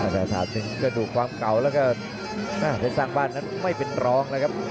แต่ถ้าถึงก็ดูความเก่าแล้วก็อ้าวเจ้าสร้างบ้านนั้นไม่เป็นร้องเลยครับ